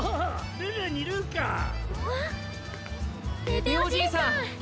ペペおじいさん！